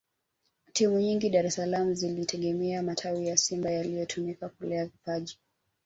Timu nyingi Dar es salaam zilitegemea matawi ya Simba yaliyotumika kulea vipaji